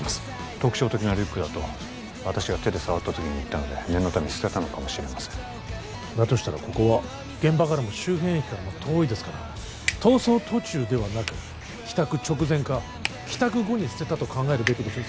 特徴的なリュックだと私が手で触った時に言ったので念のため捨てたのかもしれませんだとしたらここは現場からも周辺駅からも遠いですから逃走途中ではなく帰宅直前か帰宅後に捨てたと考えるべきでしょうね